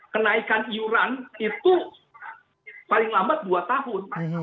kenaikan iuran itu paling lambat dua tahun